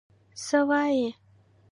څه وایې؟